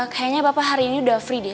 kayaknya bapak hari ini udah free day